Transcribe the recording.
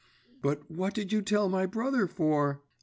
'But what did you tell my brother for?